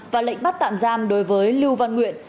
và lệnh bắt tạm giam đối với lưu văn nguyện